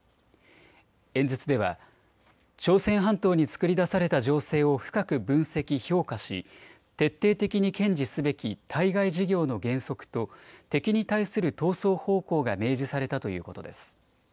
演説では朝鮮半島に作り出された情勢を深く分析・評価し徹底的に堅持すべき対外事業の原則と敵に対する闘争方向が明示されたということです。